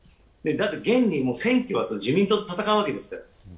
現に、選挙だと自民党と戦うわけですから。